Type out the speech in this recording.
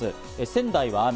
仙台は雨。